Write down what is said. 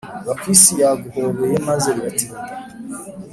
Gakwisi yaguhobeye maze biratinda